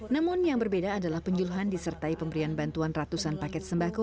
namun yang berbeda adalah penjuluhan disertai pemberian bantuan ratusan paket sembako